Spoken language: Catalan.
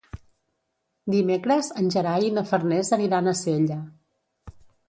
Dimecres en Gerai i na Farners aniran a Sella.